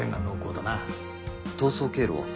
逃走経路は？